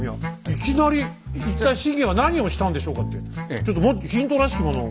いきなり「一体信玄は何をしたんでしょうか」ってちょっとヒントらしきものを下さいよ。